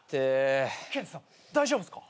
ケンジさん大丈夫っすか？